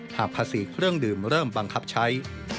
หากภาษีเครื่องดื่มเริ่มบังคับใช้